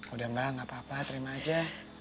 udah mbak gak apa apa terima aja